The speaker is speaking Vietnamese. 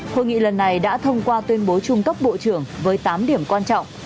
hội nghị lần này đã thông qua tuyên bố chung cấp bộ trưởng với tám điểm quan trọng